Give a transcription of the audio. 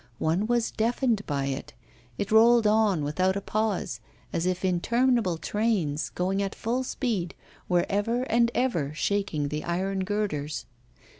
One was deafened by it; it rolled on without a pause, as if interminable trains, going at full speed, were ever and ever shaking the iron girders.